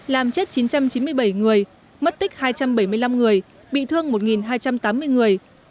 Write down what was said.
làm chết chín trăm chín mươi bảy người mất tích hai trăm bảy mươi năm người bị thương một hai trăm tám mươi người